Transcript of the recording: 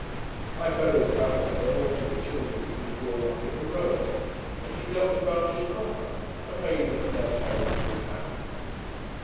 My fellow traveller then ordered the children to be drawn up in a row; and he dealt about his copper, and made them and their parents all happy.